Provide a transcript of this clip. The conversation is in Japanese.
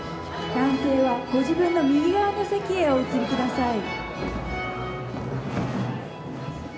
男性はご自分の右側の席へお移りください